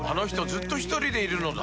ずっとひとりでいるのだ